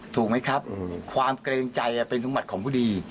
ถูกไหมครับอืมความเกรงใจอ่ะเป็นสมุดของผู้ดีอ๋อ